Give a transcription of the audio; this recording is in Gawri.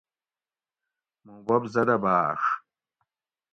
موں بوب زدہ بھاڛ